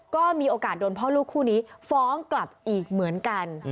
ก็มีโอกาสโดนพ่อลูกคู่นี้ฟ้องกลับอีกเหมือนกัน